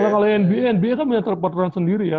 kalau nba nba kan punya peraturan sendiri ya